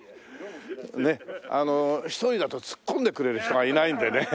ねっあの１人だとツッコんでくれる人がいないんでね。